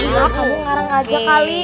ya kamu ngarang aja kali